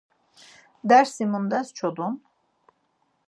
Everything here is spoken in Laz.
Dersi mundes çodun.